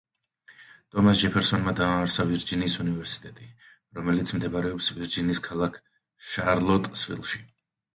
ტომას ჯეფერსონმა დააარსა ვირჯინიის უნივერსიტეტი, რომელიც მდებარეობს ვირჯინიის ქალაქ შარლოტსვილში.